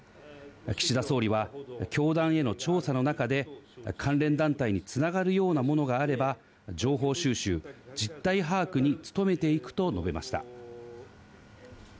岸田総理は教団への調査の中で関連団体に繋がるようなものがあれば情報収集、実態把握に務めていくと述べました。